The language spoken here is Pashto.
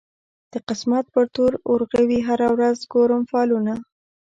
د قسمت پر تور اورغوي هره ورځ ګورم فالونه